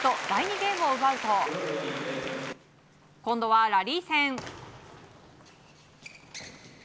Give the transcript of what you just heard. ゲームを奪うと今度はラリー戦。